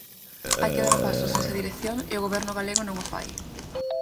Hai que dar pasos nesa dirección e o Goberno galego non o fai.